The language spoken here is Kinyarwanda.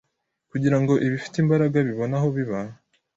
kugira ngo ibifite imbaraga bibone aho biba,